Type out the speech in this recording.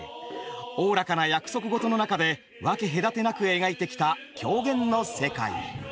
おおらかな約束事の中で分け隔てなく描いてきた狂言の世界。